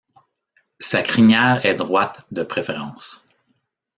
Sa crinière est droite de préférence.